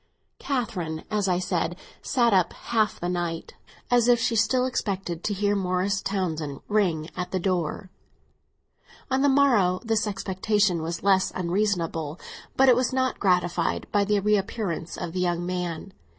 Catherine, as I have said, sat up half the night, as if she still expected to hear Morris Townsend ring at the door. On the morrow this expectation was less unreasonable; but it was not gratified by the reappearance of the young man.